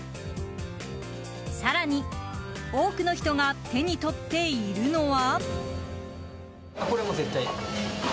更に、多くの人が手にとっているのは。